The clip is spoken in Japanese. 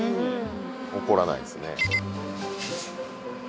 怒らないですね。